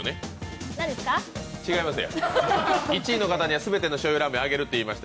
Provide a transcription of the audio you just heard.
１位の方には全てのしょうゆラーメンあげるって言いました。